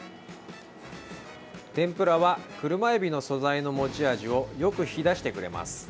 天ぷらはクルマエビの素材の持ち味をよく引き出してくれます。